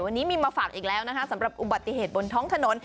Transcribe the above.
วันนี้มีมาฝากอีกแล้วนะคะสำหรับอุบัติเหตุบนท้องถนน